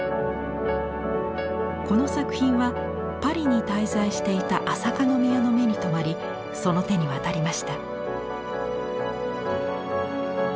この作品はパリに滞在していた朝香宮の目に留まりその手に渡りました。